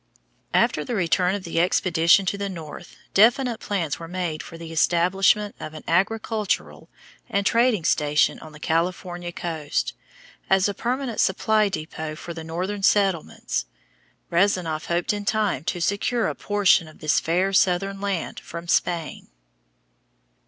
After the return of the expedition to the north, definite plans were made for the establishment of an agricultural and trading station on the California coast, as a permanent supply depot for the northern settlements. Rezanof hoped in time to secure a portion of this fair southern land from Spain.